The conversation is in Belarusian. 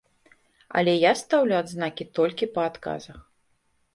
Але я стаўлю адзнакі толькі па адказах.